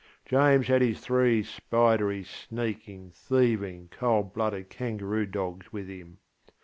James had his three spidery, sneaking, thieving, cold blooded kangaroo dogs with him.